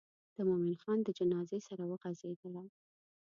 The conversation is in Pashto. د مومن خان د جنازې سره وغزېدله.